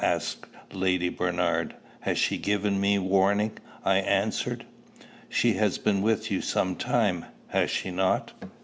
asked Lady Bernard. "She has given me warning," I answered. "She has been with you some time has she not?"